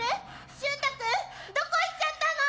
しゅうた君どこ行っちゃったの？